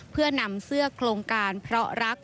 เพื่อนำเสื้อโครงการยางภาระเท่าไหร่นะครับ